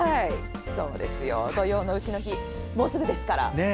土用の丑の日、もうすぐですから。